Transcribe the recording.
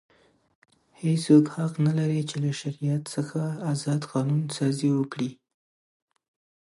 هیڅوک حق نه لري، چي له شریعت څخه ازاد قانون سازي وکي.